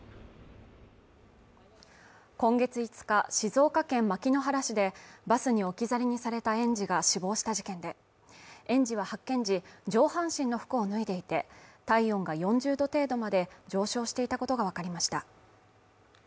今月５日静岡県牧之原市でバスに置き去りにされた園児が死亡した事件で園児は発見時上半身の服を脱いでいて体温が４０度程度まで上昇していたことが分かりました